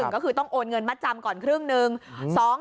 ก็คือต้องโอนเงินมัดจำก่อนครึ่งหนึ่ง